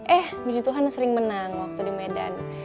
eh biji tuhan sering menang waktu di medan